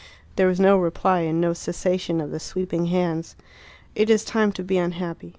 There was no reply, and no cessation of the sweeping hands. "It is time to be unhappy.